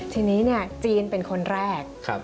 ทีนี้จีนเป็นคนแรก